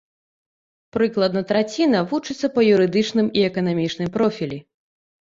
Прыкладна траціна вучыцца па юрыдычным і эканамічным профілі.